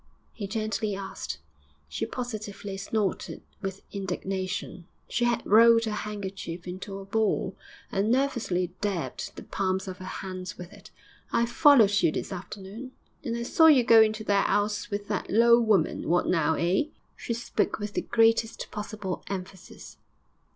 he gently asked. She positively snorted with indignation; she had rolled her handkerchief into a ball, and nervously dabbed the palms of her hands with it. 'I followed you this afternoon, and I saw you go into that 'ouse with that low woman. What now? Eh?' She spoke with the greatest possible emphasis.